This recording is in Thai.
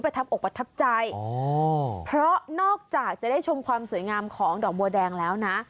ทับอกประทับใจอ๋อเพราะนอกจากจะได้ชมความสวยงามของดอกบัวแดงแล้วนะ